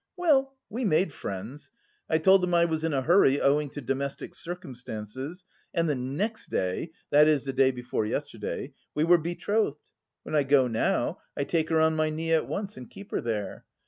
Well, we made friends. I told them I was in a hurry owing to domestic circumstances, and the next day, that is the day before yesterday, we were betrothed. When I go now I take her on my knee at once and keep her there....